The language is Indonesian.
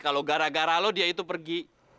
kalau gara gara lo dia itu pergi